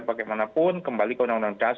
bagaimanapun kembali ke undang undang dasar